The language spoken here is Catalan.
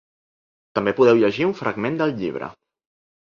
També podeu llegir un fragment del llibre.